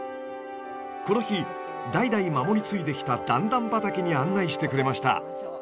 この日代々守り継いできた段々畑に案内してくれました。